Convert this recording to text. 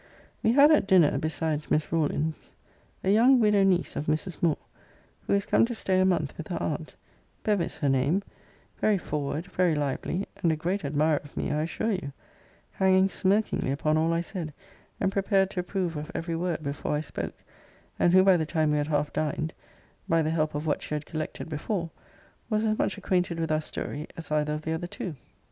] We had at dinner, besides Miss Rawlins, a young widow niece of Mrs. Moore, who is come to stay a month with her aunt Bevis her name; very forward, very lively, and a great admirer of me, I assure you; hanging smirkingly upon all I said; and prepared to approve of every word before I spoke: and who, by the time we had half dined, (by the help of what she had collected before,) was as much acquainted with our story as either of the other two.